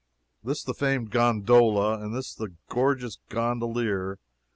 This the famed gondola and this the gorgeous gondolier!